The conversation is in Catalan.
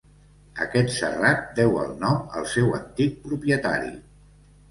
Aquest serrat deu el nom al seu antic propietari.